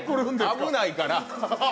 危ないから。